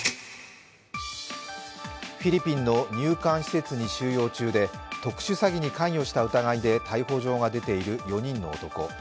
フィリピンの入管施設に収容中で特殊詐欺に関与した疑いで逮捕状が出ている４人の男。